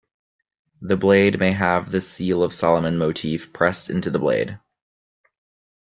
The blade may have the Seal of Soloman motif pressed into the blade.